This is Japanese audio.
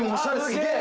すげえ。